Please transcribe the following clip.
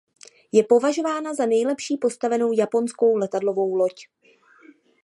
Je považována za nejlepší postavenou japonskou letadlovou loď.